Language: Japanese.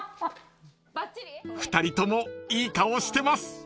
［２人ともいい顔してます］